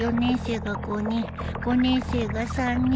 ５年生が３人。